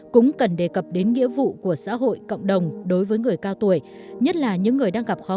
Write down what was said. cũng cần đề cập đến nghĩa vụ của xã hội